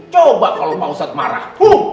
coba kalau pak ustadz marah